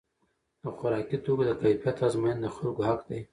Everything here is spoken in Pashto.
د خوراکي توکو د کیفیت ازموینه د خلکو حق دی.